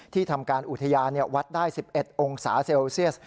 ทำการอุทยานวัดได้๑๑องศาเซลเซียส